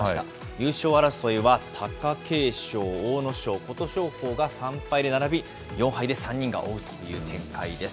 優勝争いは貴景勝、阿武咲、琴勝峰が３敗で並び、４敗で３人が追うという展開です。